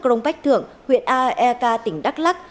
cronpach thượng huyện aek tỉnh đắk lắc